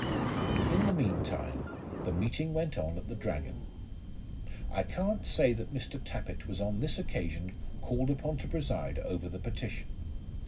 In the mean time the meeting went on at the Dragon. I can't say that Mr. Tappitt was on this occasion called upon to preside over the petition.